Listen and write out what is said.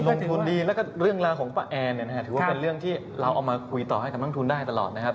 ลงทุนดีแล้วก็เรื่องราวของป้าแอนเนี่ยนะฮะถือว่าเป็นเรื่องที่เราเอามาคุยต่อให้กับนักทุนได้ตลอดนะครับ